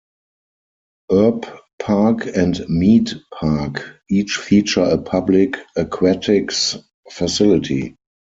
Erb Park and Mead Park each feature a public aquatics facility.